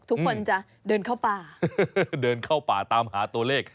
ทุกคนจะเดินเข้าป่าเดินเข้าป่าตามหาตัวเลข